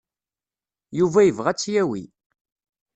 Yuba yebɣa ad tt-yawi.